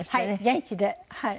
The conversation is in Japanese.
元気ではい。